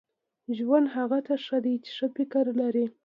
• ژوند هغه ته ښه دی چې ښه فکر لري.